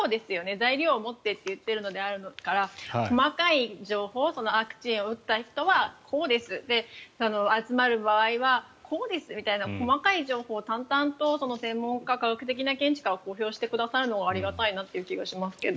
材料を持ってと言っているから細かい情報ワクチンを打った人はこうです集まる場合はこうですみたいな細かい情報を淡々と専門家が科学的な見地から公表してくださるのはありがたいなという気がしますけど。